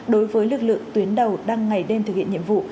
đối với lực lượng tuyến đầu đang ngày đêm thực hiện nhiệm vụ